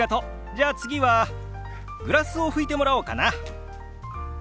じゃあ次はグラスを拭いてもらおうかな。